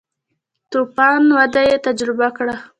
تو فان وده یې تجربه کړه.